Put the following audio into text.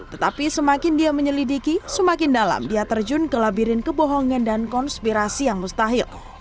tetapi semakin dia menyelidiki semakin dalam dia terjun ke labirin kebohongan dan konspirasi yang mustahil